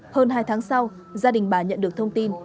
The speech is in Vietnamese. hơn hai tháng sau gia đình bà nhận được thông tin